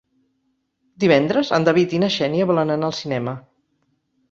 Divendres en David i na Xènia volen anar al cinema.